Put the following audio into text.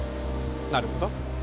なるほど。